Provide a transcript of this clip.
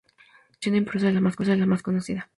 La versión en prosa es las más conocida.